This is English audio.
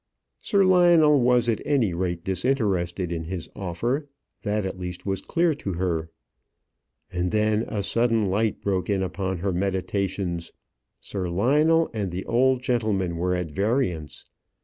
Sir Lionel was at any rate disinterested in his offer; that at least was clear to her. And then a sudden light broke in upon her meditations. Sir Lionel and the old gentleman were at variance.